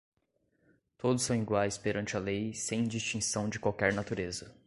Todos são iguais perante a lei, sem distinção de qualquer natureza